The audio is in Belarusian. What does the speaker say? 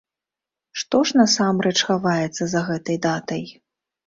Што ж насамрэч хаваецца за гэтай датай?